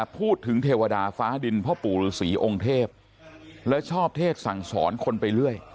พูดถึงเทวดาฟ้าดินพระปูฬศรีองค์เทพและชอบเทศสั่งสรรค์คนไปเรื่อย